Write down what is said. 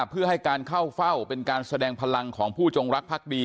เพื่อให้การเข้าเฝ้าเป็นการแสดงพลังของผู้จงรักภักดี